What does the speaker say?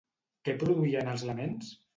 Què produïen els laments?